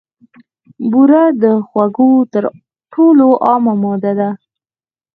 بوره د خوږو تر ټولو عامه ماده ده.